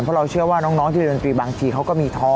เพราะเราเชื่อว่าน้องที่เรียนดนตรีบางทีเขาก็มีท้อ